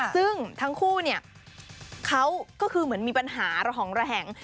ซึ่งทั้งคู่เขาก็คือเหมือนมีปัญหาของแหล่ง